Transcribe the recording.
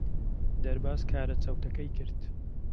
دەرباز کارە چەوتەکەی کرد.